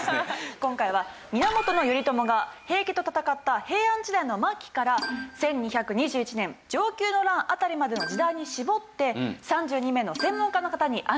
今回は源頼朝が平家と戦った平安時代の末期から１２２１年承久の乱辺りまでの時代に絞って３２名の専門家の方にアンケートを行いました。